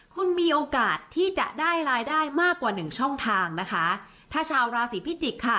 คุณมีโอกาสที่จะได้รายได้มากกว่าหนึ่งช่องทางนะคะถ้าชาวราศีพิจิกษ์ค่ะ